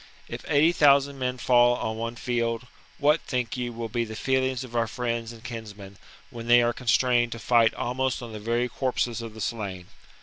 If eighty thousand men fall on one field, what, think you, will be the feelings of our friends and kinsmen, when they are constrained to fight almost on the very corpses of the slain